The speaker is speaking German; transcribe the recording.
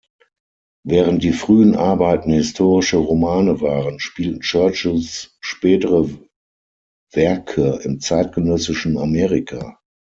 Während die frühen Arbeiten historische Romane waren, spielten Churchills spätere Werk im zeitgenössischen Amerika.